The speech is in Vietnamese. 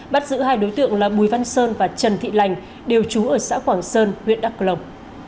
bắt giữ hai đối tượng là bùi văn sơn và trần thị lành đều trú ở xã quảng sơn huyện đắk rồng